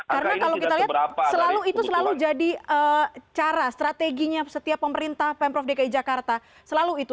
karena kalau kita lihat selalu itu jadi cara strateginya setiap pemerintah pemprov dki jakarta selalu itu